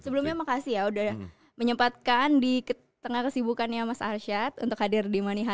sebelumnya makasih ya udah menyempatkan di tengah kesibukannya mas arsyad untuk hadir di money har